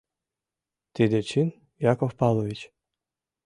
— Тиде чын, Яков Павлович?